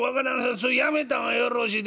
それやめた方がよろしいで。